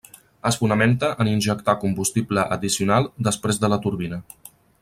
Es fonamenta en injectar combustible addicional després de la turbina.